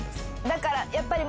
だからやっぱり。